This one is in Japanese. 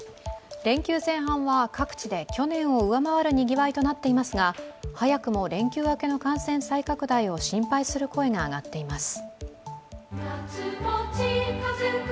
連休前半は各地で去年を上回るにぎわいとなっていますが、早くも連休明けの感染再拡大を心配する声が上がっています。